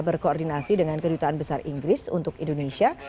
berkoordinasi dengan kedutaan besar inggris untuk indonesia